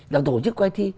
đã tổ chức quay thi